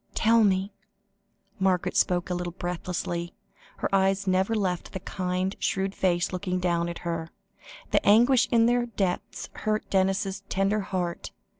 "Tell me." Margaret spoke a little breathlessly; her eyes never left the kind, shrewd face looking down at her; the anguish in their depths hurt Denis's tender heart.